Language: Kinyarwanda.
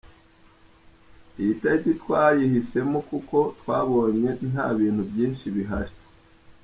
Iyi tariki twayihisemo kuko twabonye nta bintu byinshi bihari.